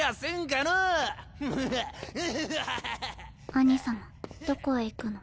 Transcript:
兄様どこへ行くの？